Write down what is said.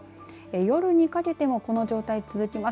夜にかけてもこの状態、続きます。